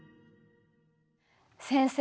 先生